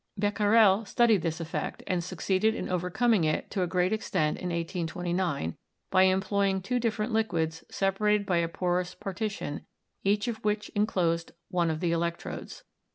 Becquerel studied this effect and succeeded in overcoming it to a great extent in 1829, by employing two different liquids separated by a porous partition, each of which enclosed one of the electrodes.